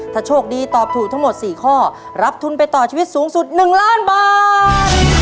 ถ้าโชคดีตอบถูกทั้งหมด๔ข้อรับทุนไปต่อชีวิตสูงสุด๑ล้านบาท